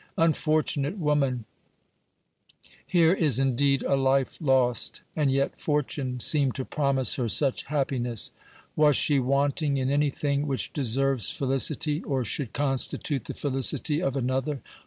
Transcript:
Unfortunate woman ! Here is indeed a life lost ; and yet fortune seemed to promise her such happiness ! Was she wanting in anything which deserves felicity, or should constitute the felicity of another